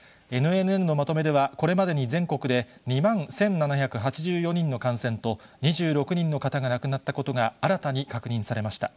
ＮＮＮのまとめでは、これまでに全国で２万１７８４人の感染と、２６人の方が亡くなったことが、新たに確認されました。